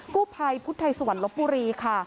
กู้ภัยพุทธไทยสวรรค์ลบบุรีค่ะ